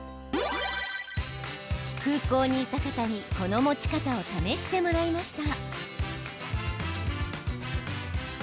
空港にいた方にこの持ち方を試してもらいました。